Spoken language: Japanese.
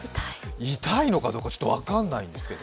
痛いのかどうかちょっと分からないんですけど。